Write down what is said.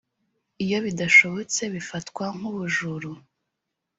iyo bidashobotse bifatwa nkubujuru